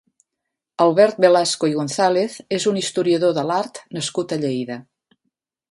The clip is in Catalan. Albert Velasco i Gonzàlez és un historiador de l'art nascut a Lleida.